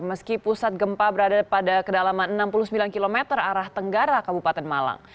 meski pusat gempa berada pada kedalaman enam puluh sembilan km arah tenggara kabupaten malang